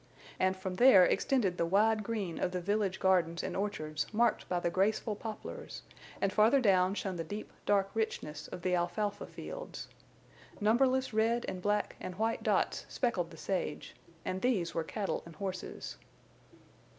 And from there extended the wide green of the village gardens and orchards marked by the graceful poplars; and farther down shone the deep, dark richness of the alfalfa fields. Numberless red and black and white dots speckled the sage, and these were cattle and horses.